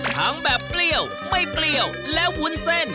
ทั้งแบบเปรี้ยวไม่เปรี้ยวและวุ้นเส้น